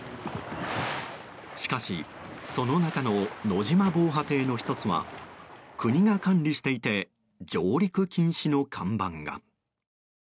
しかしその中の野島防波堤の１つは国が管理していて上陸禁止の看板が。